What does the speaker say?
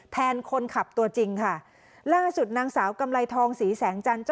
แทนคนขับตัวจริงค่ะล่าสุดนางสาวกำไรทองศรีแสงจันทร์